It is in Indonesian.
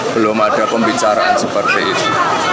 belum ada pembicaraan seperti itu